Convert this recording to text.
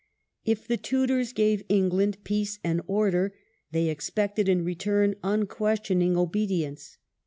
If the Tudors gave England peace and order, they expected in return unquestioning obedience.